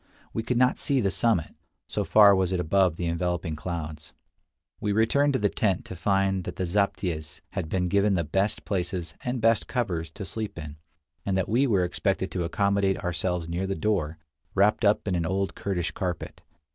We could not see the summit, so far was it above the enveloping clouds. We returned to the tent to find that the zaptiehs had been given the best places and best covers to sleep in, and that we were expected to accommodate ourselves near the door, wrapped up in an old Kurdish carpet.